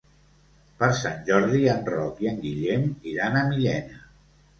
Per Sant Jordi en Roc i en Guillem iran a Millena.